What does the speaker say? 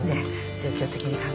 状況的に考えれば。